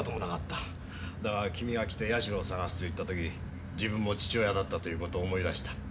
だが君が来て矢代を捜すと言った時自分も父親だったということを思い出した。